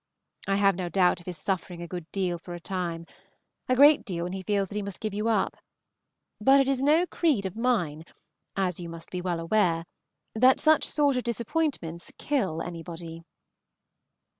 I have no doubt of his suffering a good deal for a time, a great deal when he feels that he must give you up; but it is no creed of mine, as you must be well aware, that such sort of disappointments kill anybody.